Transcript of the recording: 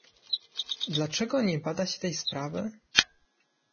Dlaczego nie bada się tej sprawy?